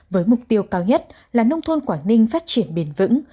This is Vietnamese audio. với mục tiêu cao nhất là nông thôn quảng ninh phát triển bền vững